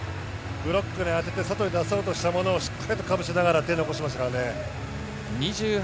ブロックに当てて外に出そうとしたものをしっかりとかぶせながら手を残しましたからね。